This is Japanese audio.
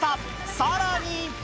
さらに。